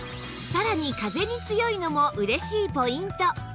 さらに風に強いのも嬉しいポイント！